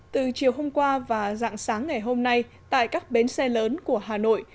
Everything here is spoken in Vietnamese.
từ chiều hôm qua và dạng sáng ngày hôm nay tại các bến xe lớn của hà nội